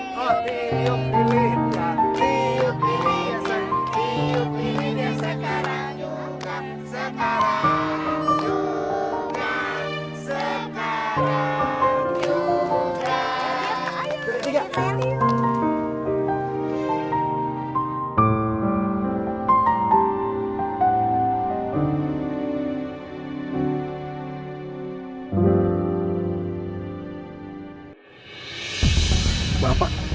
hmm kasihan rena